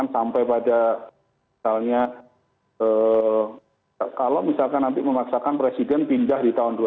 sampai pada misalnya kalau misalkan nanti memaksakan presiden pindah di tahun dua ribu sembilan belas